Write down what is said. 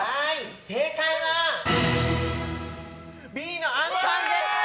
正解は、Ｂのあんぱんでした！